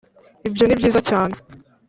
ibyo ni byiza cyane,